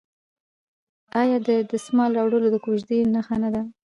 آیا د دسمال راوړل د کوژدې نښه نه ده؟